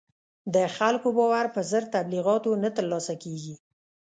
د خلکو باور په زر تبلیغاتو نه تر لاسه کېږي.